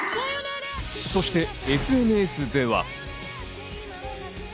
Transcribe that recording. そしてＳＮＳでは。